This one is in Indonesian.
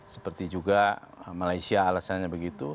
seperti juga malaysia alasannya begitu